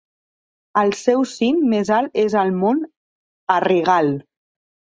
El seu cim més alt és el mont Errigal.